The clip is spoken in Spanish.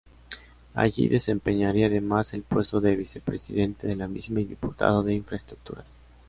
Allí, desempeñaría además el puesto de vicepresidente de la misma y diputado de Infraestructuras.